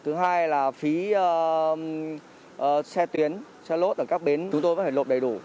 thứ hai là phí xe tuyến xe lốt ở các bến chúng tôi vẫn phải lộn đầy đủ